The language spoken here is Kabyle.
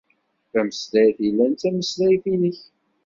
Tameslayt yellan d tameslayt-inek.